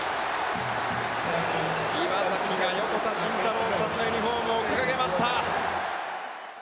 岩崎が横田慎太郎さんのユニホームを掲げました。